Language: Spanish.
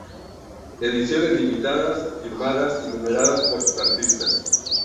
Ediciones limitadas, firmadas y numeradas por sus artistas.